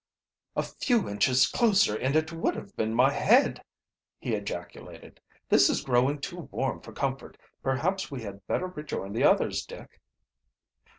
"A few inches closer and it would have been my head!" he ejaculated. "This is growing too warm for comfort. Perhaps we had better rejoin the others, Dick."